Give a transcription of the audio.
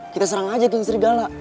kita serang aja geng sri gala